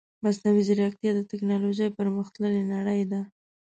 مصنوعي ځيرکتيا د تکنالوژي پرمختللې نړۍ ده .